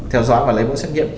theo dõi và lấy mẫu xét nghiệm